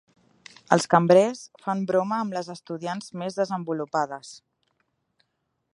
Els cambrers fan broma amb les estudiants més desenvolupades.